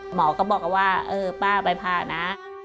หมอก็บอกว่าเออป้าไปพานะ